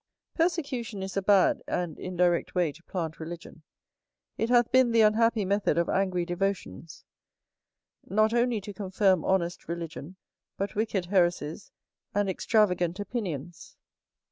Persecution is a bad and indirect way to plant religion. It hath been the unhappy method of angry devotions, not only to confirm honest religion, but wicked heresies and extravagant opinions.